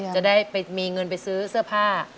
จะได้ไปมีเงินไปซื้อเสื้อผ้า